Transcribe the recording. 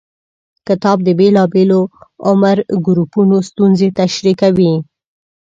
کتاب د بېلابېلو عمر ګروپونو ستونزې تشریح کوي.